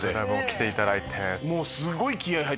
来ていただいて。